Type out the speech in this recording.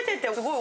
お！